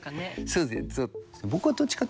そうですね。